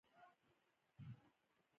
د غرنیو هوسیو ښکار بله مشهوره لوبه ده